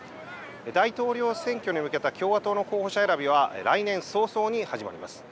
大統領選挙に向けた共和党の候補者選びは来年早々に始まります。